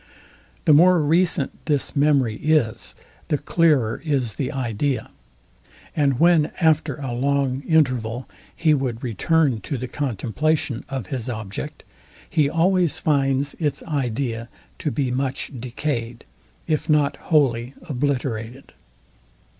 The more recent this memory is, the clearer is the idea; and when after a long interval he would return to the contemplation of his object, he always finds its idea to be much decayed, if not wholly obliterated.